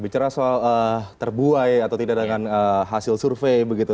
bicara soal terbuai atau tidak dengan hasil survei begitu